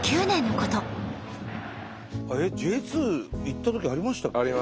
Ｊ２行ったときありましたっけ？